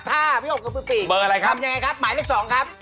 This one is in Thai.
ทำอย่างไรครับหมายเลข๒ครับ